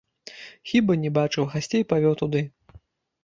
Хіба не бачыў, гасцей павёў туды.